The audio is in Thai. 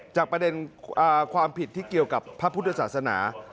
ประเด็นความผิดที่เกี่ยวกับพระพุทธศาสนา